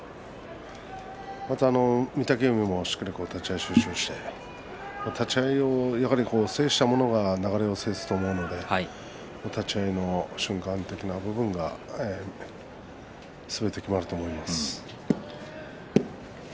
また御嶽海もしっかりと立ち合い集中して立ち合いを制した者が流れを制すと思うので立ち合いの瞬間的な部分がすべて決まると思います。